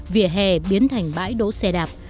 vìa hè biến thành bãi đỗ xe đạp